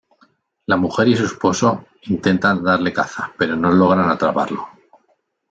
La mujer y su esposo intentan darle caza, pero no logran atraparlo.